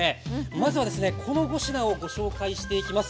まずは、この５品をご紹介します。